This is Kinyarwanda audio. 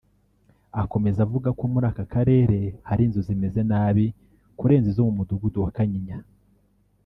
Akomeza avuga ko muri aka karere hari inzu zimeze nabi kurenza izo mu mudugudu wa Kanyinya